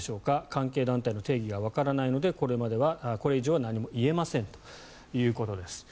関係団体の定義がわからないのでこれ以上は何も言えませんということです。